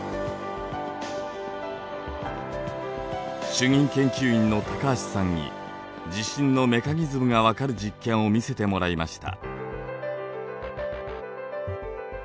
主任研究員の高橋さんに地震のメカニズムが分かる実験を見せてもらいました。